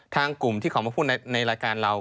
ทางกลุ่มที่เขามาพูดในรายการเรา